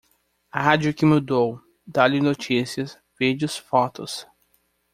A rádio que mudou, dá-lhe notícias, vídeos, fotos.